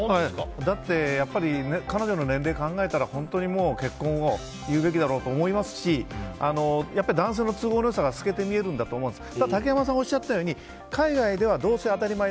だって、彼女の年齢を考えたら本当に結婚を言うべきだろうと思いますし男性の都合の良さが透けて見えるんだと思うんです。